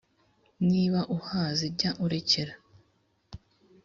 niba uhaze jya urekera